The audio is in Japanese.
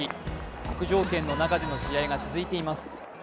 悪条件の中での試合が続いています。